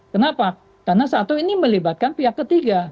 kenapa karena satu ini melibatkan pihak ketiga